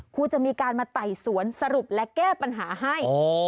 ครูจะมีการมาไต่สวนสรุปและแก้ปัญหาให้